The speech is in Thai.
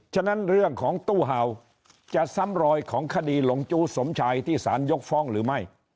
ฉะนั้นเรื่องของตู้เห่าจะซ้ำรอยของคดีหลงจู้สมชายที่สารยกฟ้องหรือไม่